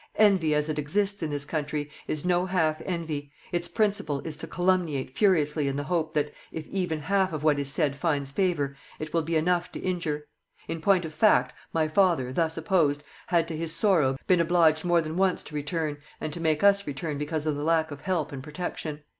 Envy as it exists in this country is no half envy; its principle is to calumniate furiously in the hope that if even half of what is said finds favour, it will be enough to injure. In point of fact, my father, thus opposed, had to his sorrow been obliged more than once to return and to make us return because of the lack of help and protection.